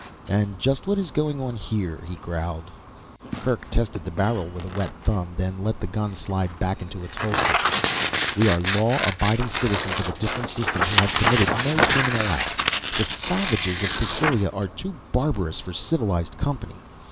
"And just what is going on here?" he growled. Kerk tested the barrel with a wet thumb, then let the gun slide back into its holster. "We are law abiding citizens of a different system who have committed no criminal acts. The savages of Cassylia are too barbarous for civilized company.